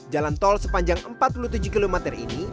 jalan tol sepanjang empat puluh tujuh km ini